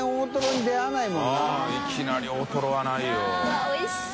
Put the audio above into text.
わっおいしそう。